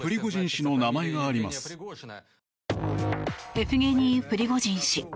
エフゲニー・プリゴジン氏。